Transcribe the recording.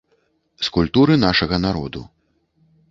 З культуры нашага народу.